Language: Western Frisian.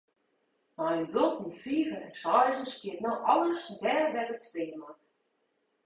Nei in bulte fiven en seizen stiet no alles dêr wêr't it stean moat.